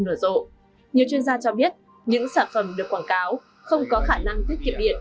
nở rộ nhiều chuyên gia cho biết những sản phẩm được quảng cáo không có khả năng tiết kiệm điện